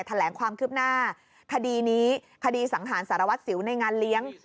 แถลงความคืบหน้าคดีนี้คดีสังหารสารวัตรสิวในงานเลี้ยง